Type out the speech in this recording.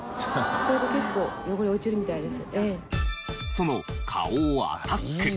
その花王アタック。